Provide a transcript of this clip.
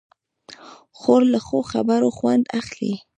خور له ښو خبرو خوند اخلي.